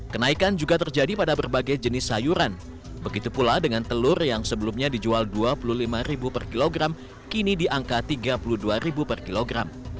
kenaikan juga terjadi pada berbagai jenis sayuran begitu pula dengan telur yang sebelumnya dijual rp dua puluh lima per kilogram kini diangka rp tiga puluh dua per kilogram